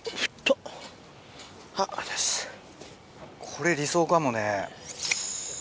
これ理想かもね。